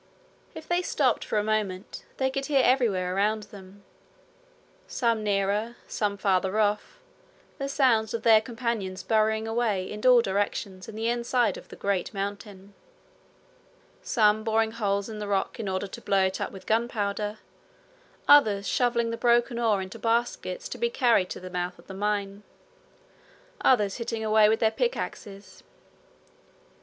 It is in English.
If they stopped for a moment they could hear everywhere around them, some nearer, some farther off, the sounds of their companions burrowing away in all directions in the inside of the great mountain some boring holes in the rock in order to blow it up with gunpowder, others shovelling the broken ore into baskets to be carried to the mouth of the mine, others hitting away with their pickaxes.